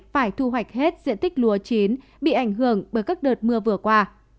phải thu hoạch hết diện tích lúa chín bị ảnh hưởng bởi các đợt mưa vừa qua